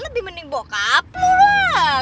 lebih mending bokap lo lah